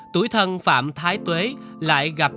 tuổi thần phạm thái tuế lại gặp